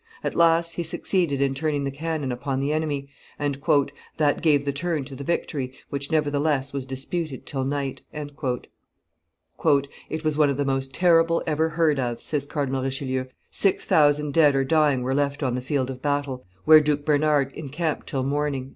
At last he succeeded in turning the cannon upon the enemy, and "that gave the turn to the victory, which, nevertheless, was disputed till night." "It was one of the most horrible ever heard of," says Cardinal Richelieu; "six thousand dead or dying were left on the field of battle, where Duke Bernard encamped till morning."